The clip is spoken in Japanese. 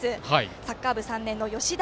サッカー部３年のよしだ